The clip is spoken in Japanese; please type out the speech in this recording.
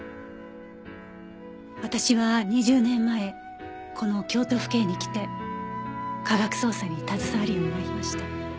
私は２０年前この京都府警に来て科学捜査に携わるようになりました。